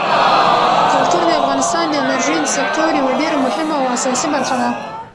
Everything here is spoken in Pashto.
کلتور د افغانستان د انرژۍ د سکتور یوه ډېره مهمه او اساسي برخه ده.